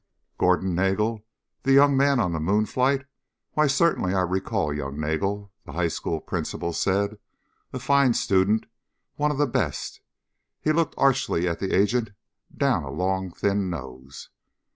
"Gordon Nagel, the young man on the moon flight? Why certainly I recall young Nagel," the high school principal said. "A fine student ... one of the best." He looked archly at the agent down a long thin nose.